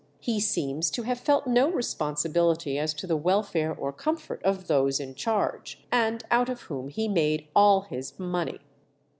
He seems to have felt no responsibility as to the welfare or comfort of those in charge, and out of whom he made all his money.